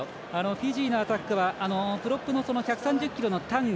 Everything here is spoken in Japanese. フィジーのアタックはプロップの１３０ｋｇのタンギ